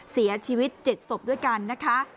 เสียชีวิต๗ศพด้วยกันนะคะ